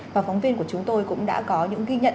và phóng viên của chúng tôi cũng đã có những ghi nhận